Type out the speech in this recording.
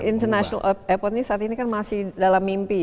international airport ini saat ini kan masih dalam mimpi